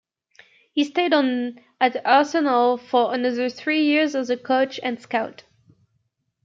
He stayed on at Arsenal for another three years as a coach and scout.